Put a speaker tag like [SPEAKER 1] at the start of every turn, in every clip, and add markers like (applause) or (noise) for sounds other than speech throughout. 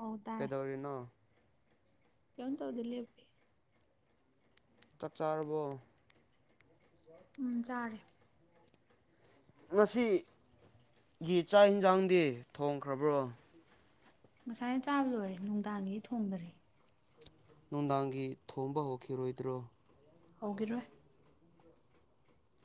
[SPEAKER 1] ꯑꯧ
[SPEAKER 2] ꯀꯩꯗꯧꯔꯤꯅꯣ
[SPEAKER 1] ꯀꯦꯝ ꯊꯧ ꯗꯗꯤꯂꯂꯤ ꯑꯄꯤ
[SPEAKER 2] ꯆꯥꯛ ꯆꯥꯔꯕꯣ
[SPEAKER 1] ꯎꯝ ꯆꯥꯔꯦ
[SPEAKER 2] ꯉꯁꯤ ꯒꯤ ꯆꯥꯛ ꯏꯟꯁꯥꯡꯗꯤ ꯊꯣꯡꯈ꯭ꯔꯕ꯭ꯔꯣ
[SPEAKER 1] ꯉꯁꯥꯏꯅ ꯆꯥꯕ ꯂꯣꯏꯔꯦ ꯅꯨꯡꯗꯥꯡꯒꯤ ꯊꯣꯡꯕꯔꯦ
[SPEAKER 2] ꯅꯨꯡꯗꯥꯡꯒꯤ ꯊꯣꯝꯕ ꯍꯧꯈꯤꯔꯣꯏꯗ꯭ꯔꯣ
[SPEAKER 1] ꯍꯧꯤꯔꯣꯏ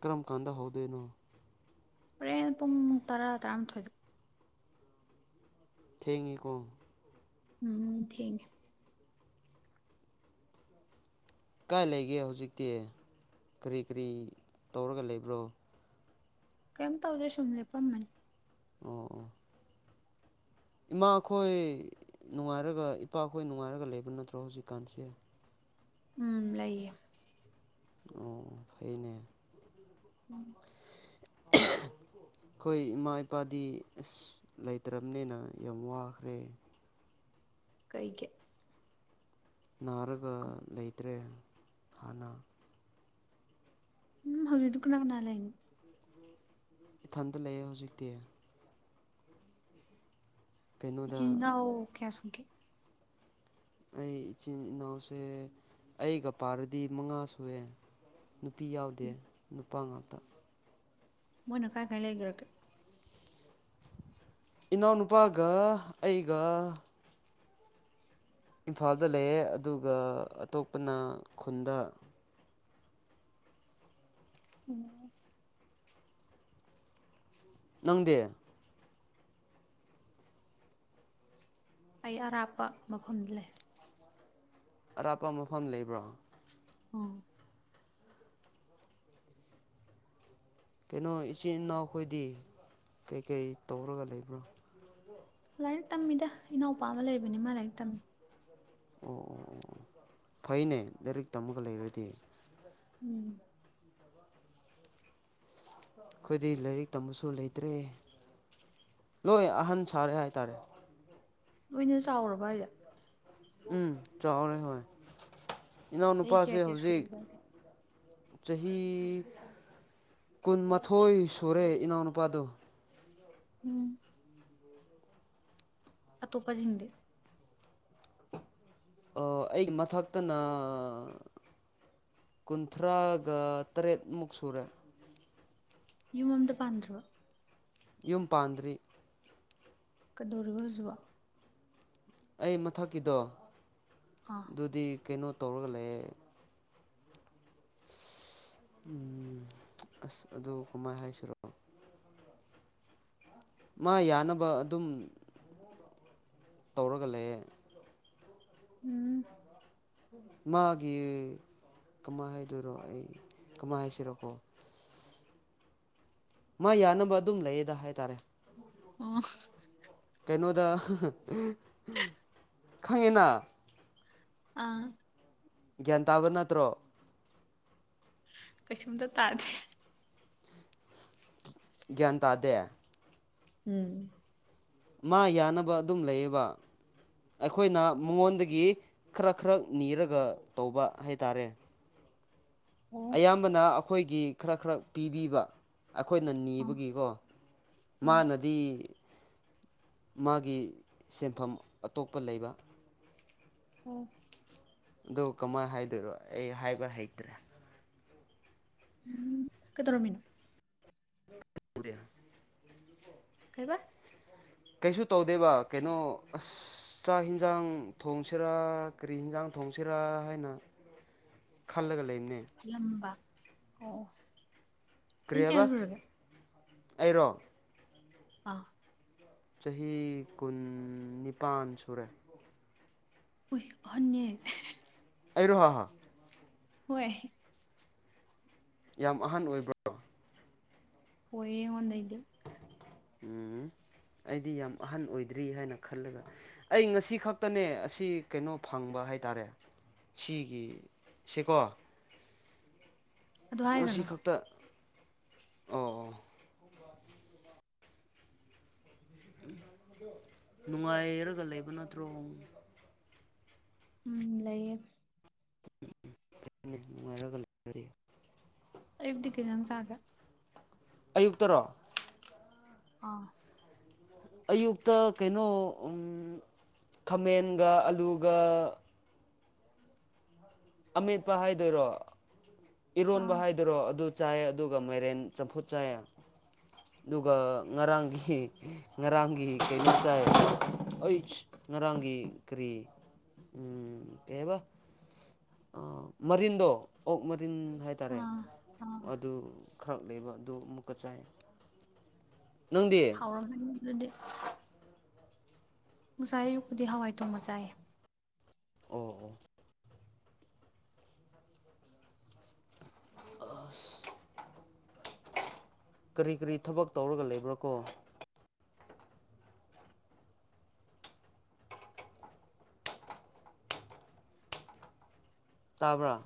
[SPEAKER 2] ꯀ꯭ꯔꯃꯀꯥꯟꯗ ꯍꯧꯗꯅ
[SPEAKER 1] ꯍꯣꯔꯦꯟ ꯄꯨꯡ ꯇꯔꯥ ꯇꯔꯥꯃꯥꯊꯣꯏꯗ
[SPEAKER 2] ꯊꯦꯡꯉꯤꯀꯣ
[SPEAKER 1] ꯎꯝ ꯊꯦꯡ
[SPEAKER 2] ꯀꯥꯏ ꯂꯩꯒꯦ ꯍꯧꯖꯤꯛꯇꯤ ꯀꯔꯤ ꯀꯔꯤ ꯇꯧꯔꯒ ꯂꯩꯕ꯭ꯔꯣ
[SPEAKER 1] ꯀꯩꯝꯇ ꯇꯧꯗꯦ ꯁꯨꯨꯝꯁꯦ ꯐꯝꯕꯅꯤ
[SPEAKER 2] ꯑꯣ ꯏꯃꯥꯈꯣꯏ ꯅꯨꯡꯉꯥꯏꯔꯒ ꯏꯄꯥꯈꯣꯏ ꯅꯨꯡꯉꯥꯏꯔꯒ ꯂꯩꯕ ꯅꯠꯇ꯭ꯔꯣ ꯍꯧꯖꯤꯛꯀꯥꯟꯁ‌ꯦ
[SPEAKER 1] ꯎꯝ ꯂꯩꯌꯦ
[SPEAKER 2] ꯑꯣ ꯐꯩꯅꯦ
[SPEAKER 1] ꯎꯝ
[SPEAKER 2] (inaudible) ꯑꯩꯈꯣꯏ ꯏꯃꯥ ꯏꯄꯥꯗꯤ ꯑꯁ ꯂꯩꯇ꯭ꯔꯕꯅꯤꯅ ꯌꯥꯝ ꯋꯥꯈ꯭ꯔꯦ
[SPEAKER 1] ꯀꯩ ꯒꯤ
[SPEAKER 2] ꯅꯥꯔꯒ ꯂꯩꯇ꯭ꯔꯦ ꯍꯥꯟꯅ
[SPEAKER 1] ꯎꯝ ꯍꯧꯖꯤꯛꯗꯨ ꯀꯅꯥ ꯀꯅꯥ ꯂꯩꯅ‌ꯣ
[SPEAKER 2] ꯏꯊꯟꯇ ꯂꯩꯌꯦ ꯍꯧꯖꯤꯛꯇꯤ ꯀꯩꯅꯣꯗ
[SPEAKER 1] ꯏꯆꯤꯟ ꯏꯅꯥꯎ ꯀꯌꯥ ꯁꯨꯒꯦ
[SPEAKER 2] ꯑꯩ ꯏꯆꯤꯟ ꯏꯅꯥꯎꯁꯦ ꯑꯩꯒ ꯄꯥꯔꯗꯤ ꯃꯉꯥ ꯁꯨꯑꯦ ꯅꯨꯄꯤ ꯌꯥꯎꯗꯦ ꯅꯨꯄꯥ ꯉꯥꯛꯇ
[SPEAKER 1] ꯃꯣꯏꯅ ꯀꯥꯏ ꯀꯥꯏ ꯂꯩꯒ꯭ꯔꯒꯦ
[SPEAKER 2] ꯏꯅꯥꯎꯅꯨꯄꯥꯒ ꯑꯩꯒ ꯏꯝꯐꯥꯜꯗ ꯂꯩꯌꯦ ꯑꯗꯨꯒ ꯑꯇꯣꯞꯄꯅ ꯈꯨꯟꯗ
[SPEAKER 1] ꯑꯣꯝ
[SPEAKER 2] ꯅꯪꯗꯤꯦ
[SPEAKER 1] ꯑꯩ ꯑꯔꯥꯞꯄ ꯃꯐꯝꯗ ꯂꯩ
[SPEAKER 2] ꯑꯔꯥꯞꯄ ꯃꯐꯝ ꯂꯩꯕ꯭ꯔꯣ
[SPEAKER 1] ꯑꯣ
[SPEAKER 2] ꯀꯩꯅꯣ ꯏꯆꯤꯟ ꯏꯅꯥꯎꯈꯣꯏꯗꯤ ꯀꯩꯀꯩ ꯇꯧꯔꯒ ꯂꯩꯕ꯭ꯔꯣ
[SPEAKER 1] ꯂꯥꯏꯔꯤꯛ ꯇꯝꯃꯤꯗ ꯏꯅꯥꯎꯄꯥ ꯑꯃ ꯂꯩꯕꯅꯤ ꯃꯥ ꯂꯥꯏꯔꯤꯛ ꯇꯝꯃꯤ
[SPEAKER 2] ꯑꯣ ꯑꯣ ꯑꯣ ꯑꯣ ꯐꯩꯅꯦ ꯂꯥꯏꯔꯤꯛ ꯇꯝꯃꯒ ꯂꯩꯔꯗꯤ
[SPEAKER 1] ꯎꯝ
[SPEAKER 2] ꯑꯩꯈꯣꯏꯗꯤ ꯂꯥꯏꯔꯤꯛ ꯇꯝꯕꯁꯨ ꯂꯩꯇ꯭ꯔꯦ ꯂꯣꯏ ꯑꯍꯟ ꯁꯥꯔꯦ ꯍꯥꯏꯇꯥꯔꯦ
[SPEAKER 1] ꯂꯣꯏꯅ ꯆꯥꯎꯔꯕ ꯍꯥꯏꯖ‌ꯦ
[SPEAKER 2] ꯎꯝ ꯆꯥꯎꯔꯦ ꯍꯣꯏ
[SPEAKER 1] ꯆꯍꯤ ꯀꯌꯥ
[SPEAKER 2] ꯏꯅꯥꯎꯅꯨꯄꯥꯁꯦ
[SPEAKER 1] ꯀꯌꯥ
[SPEAKER 2] ꯍꯧꯖꯤꯛ
[SPEAKER 1] ꯁꯨꯔꯒꯦ
[SPEAKER 2] ꯆꯍꯤ ꯀꯨꯟꯃꯥꯊꯣꯏ ꯁꯨꯔꯦ ꯏꯅꯥꯎꯅꯨꯄꯥꯗꯣ
[SPEAKER 1] ꯎꯝ ꯑꯇꯣꯞꯄꯖꯤꯡꯗꯤ
[SPEAKER 2] ꯑꯩ ꯑꯩꯒꯤ ꯃꯊꯛꯇ ꯅ ꯀꯨꯟꯊ꯭ꯔꯥꯒ ꯇꯔꯦꯠꯃꯨꯛ ꯁꯨꯔꯦ
[SPEAKER 1] ꯌꯨꯝ ꯑꯝꯗ ꯄꯥꯟꯗ꯭ꯔꯣ
[SPEAKER 2] ꯌꯨꯝ ꯄꯥꯟꯗ꯭ꯔꯤ
[SPEAKER 1] ꯀꯩꯗꯧꯔꯤꯕ ꯍꯧꯖꯤꯛꯕꯣ
[SPEAKER 2] ꯑꯩ ꯃꯊꯛꯀꯤꯗꯣ
[SPEAKER 1] ꯑꯥ
[SPEAKER 2] ꯑꯗꯨꯗꯤ ꯀꯩꯅꯣ ꯇꯧꯔꯒ ꯂꯩꯌ‌ꯦ ꯎꯝ ꯑꯁ ꯑꯗꯨ ꯀꯃꯥꯏ ꯍꯥꯏꯁꯤꯔꯣ ꯃꯥ ꯌꯥꯅꯕ ꯑꯗꯨꯝ ꯇꯧꯔꯒ ꯂꯩꯌꯦ
[SPEAKER 1] ꯎꯝ
[SPEAKER 2] ꯃꯥꯒꯤ ꯀꯃꯥꯏꯅ ꯍꯥꯏꯗꯣꯏꯔꯣ ꯑꯩ ꯀꯃꯥꯏꯅ ꯍꯥꯏꯁꯤꯔꯣꯀꯣ ꯃꯥ ꯌꯥꯅꯕ ꯑꯗꯨꯝ ꯂꯩꯌꯦꯗ ꯍꯥꯏꯇꯥꯔꯦ
[SPEAKER 1] ꯑꯣ
[SPEAKER 2] ꯀꯩꯅꯣꯗ ꯈꯪꯉꯦꯅ
[SPEAKER 1] ꯑꯥ
[SPEAKER 2] ꯒ꯭ꯌꯥꯟ ꯇꯥꯕ ꯅꯠꯇ꯭ꯔꯣ
[SPEAKER 1] ꯀꯩꯁꯨꯝꯗ ꯇꯥꯗ‌ꯦ
[SPEAKER 2] ꯒ꯭ꯌꯥꯟ ꯇꯥꯗꯦ
[SPEAKER 1] ꯎꯝ
[SPEAKER 2] ꯃꯥ ꯌꯥꯅꯕ ꯑꯗꯨꯝ ꯂꯩꯌꯦꯕ ꯑꯩꯈꯣꯏꯅ ꯃꯉꯣꯟꯗꯒꯤ ꯈꯔ ꯈ꯭ꯔꯛ ꯅꯤꯔꯒ ꯇꯧꯕ ꯍꯥꯏꯇꯥꯔꯦ
[SPEAKER 1] ꯑꯣ
[SPEAKER 2] ꯑꯌꯥꯝꯕꯅ ꯑꯩꯈꯣꯏꯒꯤ ꯈꯔ ꯈ꯭ꯔꯛ ꯄꯤꯕꯤꯕ ꯑꯩꯈꯣꯏꯅ
[SPEAKER 1] ꯑꯥ
[SPEAKER 2] ꯅꯤꯕꯒꯤꯀꯣ
[SPEAKER 1] ꯎꯝ
[SPEAKER 2] ꯃꯥꯅ ꯗꯤ ꯃꯥꯒꯤ ꯁꯤꯟꯐꯝ ꯑꯇꯣꯞꯄ ꯂꯩꯕ
[SPEAKER 1] (unintelligible)
[SPEAKER 2] ꯑꯗꯨ ꯀꯃꯥꯏꯅ ꯍꯥꯏꯗꯣꯏꯔꯣ ꯑꯩ ꯍꯥꯏꯕ ꯍꯩꯇ꯭ꯔꯦ
[SPEAKER 1] ꯎꯝ ꯀꯗꯧꯔꯝꯃꯤꯅꯣ
[SPEAKER 2] (inaudible)
[SPEAKER 1] ꯀꯩꯕ
[SPEAKER 2] ꯀꯩꯁꯨ ꯇꯧꯗꯦꯕ ꯀꯩꯅꯣ ꯑꯁ ꯆꯥꯛ ꯌꯦꯟꯖꯥꯡ ꯊꯣꯡꯁꯤꯔꯥ ꯀꯔꯤ ꯍꯤꯟꯖꯥꯡ ꯊꯣꯡꯁꯤꯔꯥ ꯍꯥꯏꯅ ꯈꯜꯂꯒ ꯂꯩꯕꯅꯦ
[SPEAKER 1] ꯈꯜꯂꯝꯕ ꯑꯣ
[SPEAKER 2] ꯀꯔꯤ
[SPEAKER 1] ꯆꯍꯤ ꯀꯌꯥ
[SPEAKER 2] ꯍꯥꯏꯕ
[SPEAKER 1] ꯁꯨꯔꯒꯦ
[SPEAKER 2] ꯑꯩꯔꯣ
[SPEAKER 1] ꯑꯥ
[SPEAKER 2] ꯆꯍꯤ ꯀꯨꯟ ꯅꯤꯄꯥꯟ ꯁꯨꯔꯦ
[SPEAKER 1] ꯎꯏ ꯑꯍꯟꯅꯦ
[SPEAKER 2] ꯑꯩꯔꯣ
[SPEAKER 1] ꯍꯣꯏ
[SPEAKER 2] ꯌꯥꯝ ꯑꯍꯟ ꯑꯣꯏꯕꯔ
[SPEAKER 1] ꯑꯣꯏꯌꯦ ꯑꯩꯉꯣꯟꯗꯩꯩꯗꯤ
[SPEAKER 2] ꯎꯝ ꯑꯩꯗꯤ ꯌꯥꯝ ꯑꯍꯟ ꯑꯣꯏꯗ꯭ꯔꯤ ꯍꯥꯏꯅ ꯈꯜꯂꯒ ꯑꯩ ꯉꯁꯤ ꯈꯛꯇꯅꯦ ꯑꯁꯤ ꯀꯩꯅꯣ ꯐꯪꯕ ꯍꯥꯏꯇꯔꯦ ꯁꯤꯒꯤ ꯁꯦꯀꯣ
[SPEAKER 1] ꯑꯗꯨ
[SPEAKER 2] ꯉꯁꯤ
[SPEAKER 1] ꯍꯥꯏꯒꯅꯣ
[SPEAKER 2] ꯈꯛꯇ ꯑꯣ ꯑꯣ ꯅꯨꯡꯉꯥꯏꯔꯒ ꯂꯩꯕ ꯅꯠꯇ꯭ꯔꯣ
[SPEAKER 1] ꯎꯝ ꯂꯩꯌꯦ
[SPEAKER 2] (unintelligible) ꯅꯨꯡꯉꯥꯏꯔꯒ (unintelligible)
[SPEAKER 1] ꯑꯌꯨꯛꯇꯤ ꯀꯩ ꯏꯟꯁꯥꯡ ꯆꯥꯒꯦ
[SPEAKER 2] ꯑꯌꯨꯛꯇꯔꯣ
[SPEAKER 1] ꯑꯥ
[SPEAKER 2] ꯑꯌꯨꯛꯇ ꯀꯩꯅꯣ ꯎꯝ ꯈꯥꯃꯦꯟꯒ ꯑꯂꯨꯒ ꯑꯃꯦꯠꯄ ꯍꯥꯏꯗꯨꯏꯔꯣ ꯏꯔꯣꯟꯕ
[SPEAKER 1] ꯑꯥ
[SPEAKER 2] ꯍꯥꯏꯗꯨꯏꯔꯣ ꯑꯗꯨ ꯆꯥꯏ ꯑꯗꯨꯒ ꯃꯥꯏꯔꯦꯟ ꯆꯝꯐꯨꯠ ꯆꯥꯏ ꯑꯗꯨꯒ ꯉꯔꯥꯡꯒꯤ ꯉꯔꯥꯡꯒꯤ ꯀꯩꯅꯣꯝ ꯆꯥꯏ (unintelligible) ꯉꯔꯥꯡꯒꯤ ꯀ꯭ꯔꯤ ꯎꯝ ꯀꯩꯍꯥꯏꯕ ꯃꯔꯤꯟꯗꯣ ꯑꯣꯛ ꯃꯔꯤꯟ ꯍꯥꯏꯇꯔꯦ
[SPEAKER 1] ꯑꯥ ꯑꯥ
[SPEAKER 2] ꯑꯗꯨ ꯈ꯭ꯔꯛ ꯂꯩꯕ ꯑꯗꯨ ꯑꯃꯨꯛꯀ ꯆꯥꯏ ꯅꯪꯗꯤ
[SPEAKER 1] ꯍꯥꯎꯔꯝꯃꯅꯤ ꯑꯗꯨꯗꯤ ꯉꯁꯥꯏ ꯑꯌꯨꯛꯄꯨꯗꯤ ꯍꯋꯥꯏ ꯊꯣꯡꯕ ꯆꯥꯏꯌꯦ
[SPEAKER 2] ꯑꯣ ꯑꯣ ꯑꯁ ꯀꯔꯤ ꯀꯔꯤ ꯊꯕꯛ ꯇꯧꯔꯒ ꯂꯩꯕ꯭ꯔꯥ ꯀꯣ ꯇꯥꯕꯔꯥ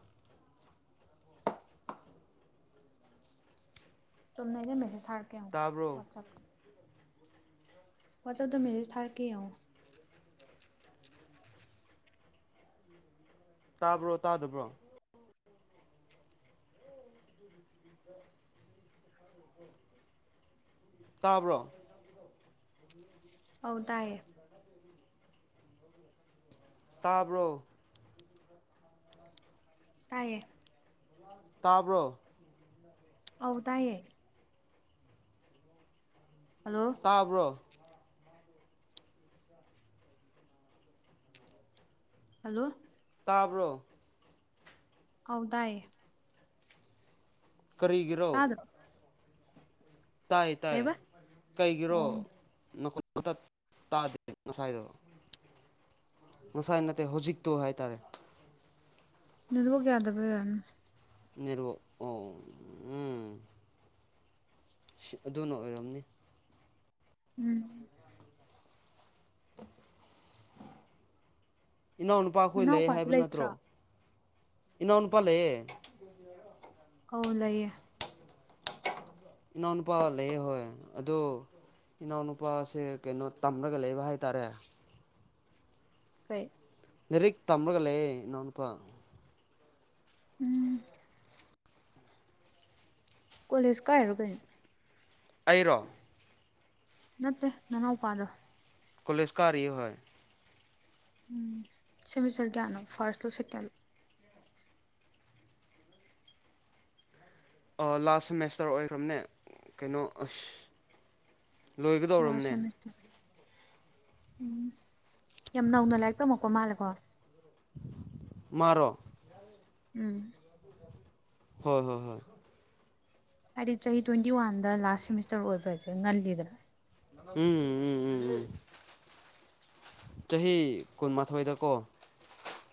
[SPEAKER 1] ꯆꯨꯝꯅꯩꯗ ꯃꯦꯁꯦꯁ ꯊꯥꯔꯛꯀꯦ ꯌꯦꯡꯉꯣ
[SPEAKER 2] ꯇꯥꯕ꯭ꯔꯣ
[SPEAKER 1] ꯋꯥꯠꯆꯞꯇ ꯋꯥꯠꯆꯞꯇ ꯃꯦꯁꯦꯖ ꯊꯔꯛꯀꯦ ꯌꯦꯡꯉꯣ (inaudible)
[SPEAKER 2] ꯇꯥꯕ꯭ꯔꯣ ꯇꯥꯗꯕ꯭ꯔꯣ ꯇꯥꯕꯔꯣ
[SPEAKER 1] ꯑꯥꯎ ꯇꯥꯏꯌꯦ
[SPEAKER 2] ꯇꯥꯕ꯭ꯔꯣ
[SPEAKER 1] ꯇꯥꯏꯌꯦ
[SPEAKER 2] ꯇꯥꯕ꯭ꯔꯣ
[SPEAKER 1] ꯑꯥꯎ ꯇꯥꯏꯌꯦ ꯍꯜꯂꯣ
[SPEAKER 2] ꯇꯥꯕꯔꯣ
[SPEAKER 1] ꯍꯜꯂꯣ
[SPEAKER 2] ꯇꯥꯕꯔꯣ
[SPEAKER 1] ꯑꯧ ꯇꯥꯏꯌꯦ
[SPEAKER 2] ꯀꯔꯤꯒꯤꯅꯣ
[SPEAKER 1] ꯇꯥꯗ꯭ꯔꯣ
[SPEAKER 2] ꯇꯥꯏ ꯇꯥꯏ
[SPEAKER 1] ꯀꯩꯕ ꯑꯣ
[SPEAKER 2] ꯀꯩꯒꯤꯔꯣ ꯅꯈꯣꯟ ꯄꯪꯇꯠ ꯇꯥꯗꯦ ꯉꯁꯥꯏꯗꯣ ꯉꯁꯥꯏ ꯅꯠꯇꯦ ꯍꯧꯖꯤꯛꯇꯣ ꯍꯥꯏꯇꯥꯔꯦ
[SPEAKER 1] ꯅꯦꯠ ꯋꯥꯛ ꯌꯥꯗꯕꯥ ꯑꯣꯏꯔꯝꯅꯤ꯫
[SPEAKER 2] ꯑꯣ ꯎꯝ ꯑꯗꯨꯅ ꯑꯣꯏꯔꯝꯅꯤ
[SPEAKER 1] ꯎꯝ
[SPEAKER 2] ꯏꯅꯥꯎꯅꯨꯄꯥ ꯈꯣꯏ ꯂꯩꯌꯦ
[SPEAKER 1] ꯅꯅꯥꯎꯄꯥꯗꯤ
[SPEAKER 2] ꯍꯥꯏꯕ
[SPEAKER 1] ꯂꯩꯇ꯭ꯔꯣ
[SPEAKER 2] ꯅꯠꯇ꯭ꯔꯣ ꯏꯅꯥꯎꯅꯨꯄꯥ ꯂꯩꯌꯦ
[SPEAKER 1] ꯑꯧ ꯂꯩꯌꯦ
[SPEAKER 2] ꯏꯅꯥꯎꯅꯨꯄꯥ ꯂꯩꯌꯦꯦꯍꯣꯏ ꯑꯗꯣ ꯏꯅꯥꯎꯅꯨꯄꯥꯁꯦ ꯀꯩꯅꯣ ꯇꯝꯔꯒ ꯂꯩꯕ ꯍꯥꯏꯇꯥꯔꯦ
[SPEAKER 1] ꯀꯩ
[SPEAKER 2] ꯂꯥꯏꯔꯤꯛ ꯇꯝꯃꯒ ꯂꯩꯌꯦ ꯏꯅꯥꯎꯅꯨꯄꯥ
[SPEAKER 1] ꯎꯝ ꯀꯣꯂꯦꯖ ꯀꯥꯏꯔꯣ ꯀꯩꯅꯣ
[SPEAKER 2] ꯑꯩꯔꯣ
[SPEAKER 1] ꯅꯠꯇꯦ ꯅꯅꯥꯎꯄꯥꯗꯣ
[SPEAKER 2] ꯀꯣꯂꯦꯁꯀꯥꯔꯤꯌꯦ ꯍꯣꯏ
[SPEAKER 1] ꯎꯝ ꯁꯦꯃꯤꯁꯇꯔ ꯀꯥꯌꯥꯅꯣ ꯐꯁꯠ ꯂꯣ ꯁꯦꯀꯦꯟ
[SPEAKER 2] ꯂꯥꯁ ꯁꯦꯃꯦꯁꯇ꯭ꯔ ꯑꯣꯏꯈ꯭ꯔꯕꯅꯦ ꯀꯩꯅꯣ ꯑꯁ
[SPEAKER 1] ꯂꯥꯁ
[SPEAKER 2] ꯂꯣꯏꯒꯗꯧꯔꯕꯅꯦ
[SPEAKER 1] ꯁꯦꯃꯤꯁꯇꯔ ꯎꯝ ꯌꯥꯝ ꯅꯧꯅ ꯂꯥꯏꯔꯤꯛ ꯇꯝꯃꯛꯄ ꯃꯥꯜꯂꯦꯀꯣ
[SPEAKER 2] ꯃꯥꯔꯣ
[SPEAKER 1] ꯎꯝ
[SPEAKER 2] ꯍꯣꯏ ꯍꯣꯏ ꯍꯣꯏ
[SPEAKER 1] ꯍꯥꯏꯗꯤ ꯆꯍꯤ ꯇ꯭ꯋꯦꯟꯇꯤ ꯋꯥꯟꯗ ꯂꯥꯁ ꯁꯦꯃꯤꯁꯇ꯭ꯔ ꯑꯣꯏꯕꯁꯦ ꯉꯜꯂꯤꯗꯅ
[SPEAKER 2] ꯎꯝ ꯎꯝ ꯎꯝ ꯎꯝ ꯆꯍꯤ ꯀꯨꯟꯃꯥꯊꯣꯏꯗ ꯀꯣ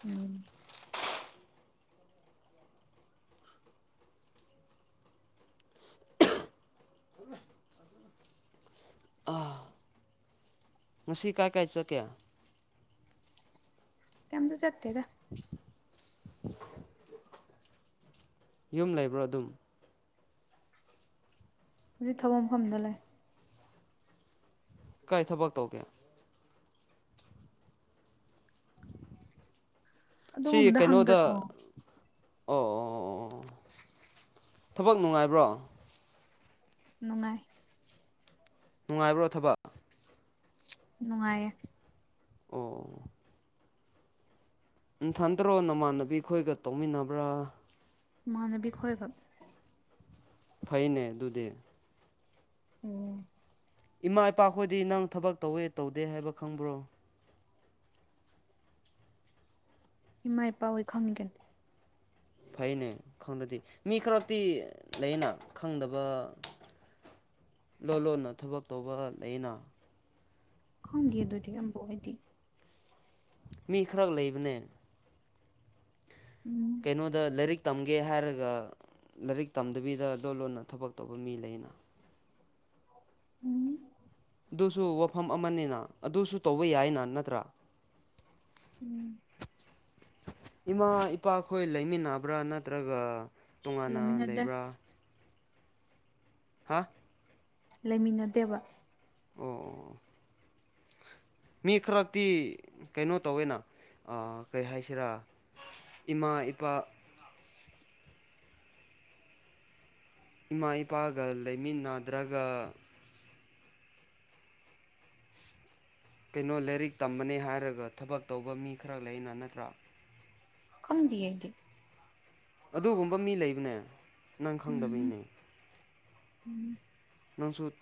[SPEAKER 1] ꯎꯝ
[SPEAKER 2] ꯑ ꯉꯁꯤ ꯀꯥꯏ ꯀꯥꯏ ꯆꯠꯀꯦ
[SPEAKER 1] ꯀꯩꯃꯇ ꯆꯠꯇꯦꯗ
[SPEAKER 2] ꯎ ꯌꯨꯝ ꯂꯩꯕꯔꯣ ꯑꯗꯨꯝ
[SPEAKER 1] ꯍꯧꯖꯤꯛ ꯊꯕꯛ ꯃꯐꯝꯗ ꯂꯩ
[SPEAKER 2] ꯀꯥꯏ ꯊꯕꯛ ꯇꯧꯒꯦ ꯁꯤ
[SPEAKER 1] ꯑꯗꯨꯒꯨꯝꯕꯗ
[SPEAKER 2] ꯀꯩꯅꯣꯗ
[SPEAKER 1] ꯍꯪꯒꯅꯣ
[SPEAKER 2] ꯑꯣ ꯑꯣ ꯑꯣ ꯑꯣ ꯊꯕꯛ ꯅꯨꯡꯉꯥꯏꯕ꯭ꯔꯣ
[SPEAKER 1] ꯅꯨꯡꯉꯥꯏ
[SPEAKER 2] ꯅꯨꯡꯉꯥꯏꯕ꯭ꯔꯣ ꯊꯕꯛ
[SPEAKER 1] ꯅꯨꯡꯉꯥꯏꯌꯦ
[SPEAKER 2] ꯑꯣ ꯅꯝꯊꯟꯗꯔꯣ ꯅꯃꯥꯟꯅꯕꯤ ꯈꯣꯏꯒ ꯇꯧꯃꯤꯟꯅꯕꯔꯥ
[SPEAKER 1] ꯏꯃꯥꯟꯅꯕꯤ ꯈꯣꯏꯒꯥ
[SPEAKER 2] ꯐꯩꯅꯦ ꯑꯗꯨꯗꯤ
[SPEAKER 1] ꯑꯣ
[SPEAKER 2] ꯏꯃꯥ ꯏꯄꯥ ꯈꯣꯏꯗꯤ ꯅꯪ ꯊꯕꯛ ꯇꯧꯌꯦ ꯇꯧꯗꯦ ꯍꯥꯏꯕ ꯈꯪꯕꯔꯣ
[SPEAKER 1] ꯏꯃꯥ ꯏꯄꯥ ꯍꯣꯏ ꯈꯪꯉꯤ ꯀꯩꯅꯣ
[SPEAKER 2] ꯐꯩꯅꯦ ꯈꯪꯂꯗꯤ ꯃꯤ ꯈꯔꯗꯤ ꯂꯩꯌꯦꯅ ꯈꯪꯗꯕ ꯂꯣꯟ ꯂꯣꯟꯅ ꯊꯕꯛ ꯇꯧꯕ ꯂꯩꯌꯦꯅ
[SPEAKER 1] ꯈꯪꯗꯤꯌꯦ ꯑꯗꯨꯗꯤ ꯑꯝꯚꯨꯛ ꯑꯩꯗꯤ
[SPEAKER 2] ꯃꯤ ꯈꯔꯛ ꯂꯩꯕꯅꯦ
[SPEAKER 1] ꯎꯝ
[SPEAKER 2] ꯀꯩꯅꯣꯗ ꯂꯥꯏꯔꯤꯛ ꯇꯝꯒꯦ ꯍꯥꯏꯔꯒ ꯂꯥꯏꯔꯤꯛ ꯇꯝꯗꯕꯤꯗ ꯂꯣꯟ ꯂꯣꯟꯅ ꯊꯕꯛ ꯇꯧꯕ ꯃꯤ ꯂꯩꯅꯥ
[SPEAKER 1] ꯎꯝ
[SPEAKER 2] ꯑꯗꯨꯁꯨ ꯋꯥꯐꯝ ꯑꯃꯅꯤꯅ ꯑꯗꯨꯁꯨ ꯇꯧꯕ ꯌꯥꯏꯅ ꯅꯠꯇꯔꯥ
[SPEAKER 1] ꯎꯝ
[SPEAKER 2] ꯏꯃꯥ ꯏꯄꯥꯈꯣꯏ ꯂꯩꯃꯤꯟꯅꯕ꯭ꯔꯥ ꯅꯠꯇ꯭ꯔꯒ ꯇꯣꯉꯥꯟꯅ
[SPEAKER 1] ꯂꯩꯃꯤꯟꯅꯗꯦ
[SPEAKER 2] ꯂꯩꯕꯔꯥ ꯍꯥ
[SPEAKER 1] ꯂꯩꯃꯤꯟꯅꯗꯦꯕ
[SPEAKER 2] ꯑꯣ ꯑꯣ ꯃꯤ ꯈꯔꯇꯤ ꯀꯩꯅꯣ ꯇꯧꯋꯦꯅ ꯑ ꯀꯩ ꯍꯥꯏꯁꯤꯔꯥ ꯏꯃꯥ ꯏꯄꯥ ꯏꯃꯥ ꯏꯄꯥꯒ ꯂꯩꯃꯤꯟ ꯅꯗ꯭ꯔꯒ ꯀꯩꯅꯣ ꯂꯥꯏꯔꯤꯛ ꯇꯝꯕꯅꯦ ꯍꯥꯏꯔꯒ ꯊꯕꯛ ꯇꯧꯕ ꯃꯤ ꯈꯔ ꯂꯩꯅ ꯅꯠꯇ꯭ꯔꯥ
[SPEAKER 1] ꯈꯪꯗꯤꯌꯦ ꯑꯩ ꯗꯤ
[SPEAKER 2] ꯑꯗꯨꯒꯨꯝꯕ ꯃꯤ ꯂꯩꯕꯅꯦ ꯅꯪ
[SPEAKER 1] ꯎꯝ
[SPEAKER 2] ꯈꯪꯗꯕꯩꯅꯦ
[SPEAKER 1] ꯎꯝ
[SPEAKER 2] ꯅꯪꯁꯨꯠ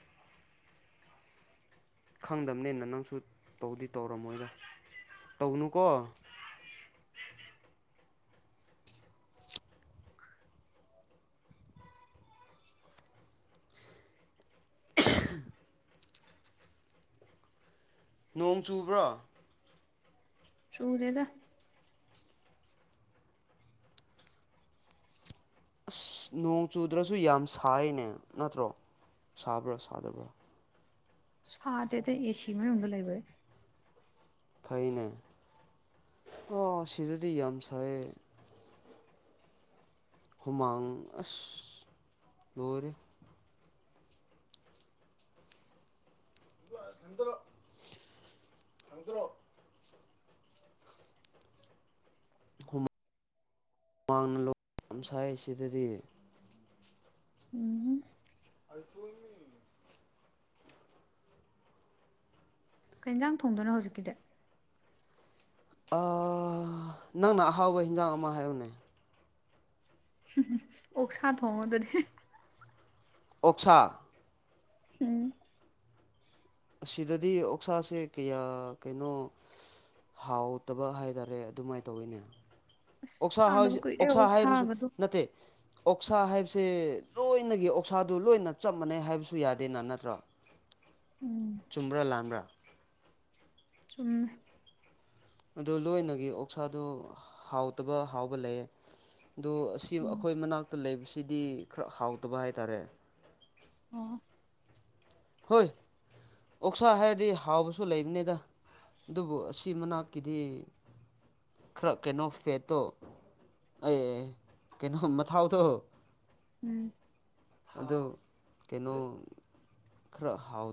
[SPEAKER 2] ꯈꯪꯗꯝꯅꯦꯅ ꯅꯪꯁꯨ ꯇꯧꯗꯤ ꯇꯧꯔꯝꯃꯣꯏꯗ ꯇꯧꯒꯅꯨꯀꯣ
[SPEAKER 1] (inaudible)
[SPEAKER 2] (inaudible) ꯅꯣꯡ ꯆꯨꯕ꯭ꯔꯣ
[SPEAKER 1] ꯆꯨꯗꯦꯗ
[SPEAKER 2] ꯅꯣꯡ ꯆꯨꯗ꯭ꯔꯁꯨ ꯌꯥꯝ ꯁꯥꯏꯅꯦ ꯅꯠꯇ꯭ꯔꯣ ꯁꯥꯕ꯭ꯔꯥ ꯁꯥꯗꯕ꯭ꯔꯥ
[SPEAKER 1] ꯁꯥꯗꯦꯗ ꯑꯦꯁꯤ ꯃꯅꯨꯡꯗ ꯂꯩꯕꯩ
[SPEAKER 2] ꯐꯩꯅꯦ ꯑꯣ ꯁꯤꯗꯗꯤ ꯌꯥꯝ ꯁꯥꯏꯌꯦ ꯍꯨꯃꯥꯡ ꯑꯁ ꯂꯣꯏꯔꯦ ꯊꯟꯗ꯭ꯔ ꯊꯟꯗ꯭ꯔꯣ ꯃꯥꯡꯅ ꯌꯥꯝ ꯁꯥꯏ ꯁꯤꯗꯗꯤ
[SPEAKER 1] ꯎꯝ ꯍꯝ
[SPEAKER 2] ꯑꯆꯣꯟꯅꯦ
[SPEAKER 1] ꯀꯩꯏꯟꯖꯥꯡ ꯊꯣꯡꯗꯣꯏꯅꯣ ꯍꯧꯖꯤꯛꯀꯤꯗꯤ
[SPEAKER 2] ꯑ ꯅꯪꯅ ꯑꯍꯥꯎꯕ ꯍꯤꯟꯖꯥꯡ ꯑꯃ ꯍꯥꯏꯌꯨꯅꯦ
[SPEAKER 1] ꯑꯣꯛꯁꯥ ꯊꯣꯡꯉꯨ ꯑꯗꯨꯗꯤ
[SPEAKER 2] ꯑꯣꯛꯁꯥ
[SPEAKER 1] ꯍꯝ
[SPEAKER 2] ꯑꯁꯤꯗꯗꯤ ꯑꯣꯛꯁꯥꯁꯦ ꯀꯌꯥ ꯀꯩꯅꯣ ꯍꯥꯎꯇꯕ ꯍꯥꯏ ꯇꯔꯦ ꯑꯗꯨꯃꯥꯏ ꯇꯧꯋꯤꯅꯦ ꯑꯣꯛꯁꯥ
[SPEAKER 1] ꯆꯥꯗꯕ ꯀꯨꯏꯔꯦ
[SPEAKER 2] ꯑꯣꯛꯁꯥ ꯍꯥꯏꯔꯁꯨ
[SPEAKER 1] ꯑꯣꯛꯁꯥꯒꯗꯣ
[SPEAKER 2] ꯅꯠꯇꯦ ꯑꯣꯛꯁꯥ ꯍꯥꯏꯕꯁꯦ ꯂꯣꯏꯅꯒꯤ ꯑꯣꯛꯁꯥꯗꯨ ꯂꯣꯏꯅ ꯆꯞ ꯃꯥꯟꯅꯩ ꯍꯥꯏꯕꯁꯨ ꯌꯥꯗꯦꯅ ꯅꯠꯇ꯭ꯔꯣ
[SPEAKER 1] ꯎꯝ
[SPEAKER 2] ꯆꯨꯝꯕ꯭ꯔꯥ ꯂꯥꯜꯕ꯭ꯔꯥ
[SPEAKER 1] ꯆꯨꯝꯦ
[SPEAKER 2] ꯑꯗ ꯂꯣꯏꯅꯒꯤ ꯑꯣꯛꯁꯥꯗꯨ ꯍꯥꯎꯇꯕ ꯍꯥꯎꯕ ꯂꯩꯌꯦ ꯑꯗꯨ ꯁꯤ
[SPEAKER 1] ꯎꯝ
[SPEAKER 2] ꯑꯩꯈꯣꯏ ꯃꯅꯥꯛꯇ ꯂꯩꯕꯁꯤꯗꯤ ꯈꯔ ꯍꯥꯎꯇꯕ ꯍꯥꯏꯇꯥꯔꯦ
[SPEAKER 1] ꯑꯣ
[SPEAKER 2] ꯍꯣꯏ ꯑꯣꯛꯁꯥ ꯍꯥꯏꯔꯗꯤ ꯍꯥꯎꯕꯁꯨ ꯂꯩꯕꯅꯤꯗ ꯑꯗꯨꯕꯨ ꯑꯁꯤ ꯃꯅꯥꯛꯀꯤꯗꯤ ꯈꯔ ꯀꯩꯅꯣ ꯐꯦꯠꯇꯣ ꯑꯦ ꯀꯩꯅꯣ ꯃꯊꯥꯎꯗꯣ
[SPEAKER 1] ꯎꯝ
[SPEAKER 2] ꯑꯗꯣ ꯀꯩꯅꯣ ꯈꯔ ꯍꯥꯎ